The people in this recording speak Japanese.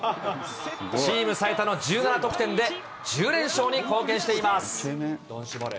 チーム最多の１７得点で、１０連勝に貢献しています。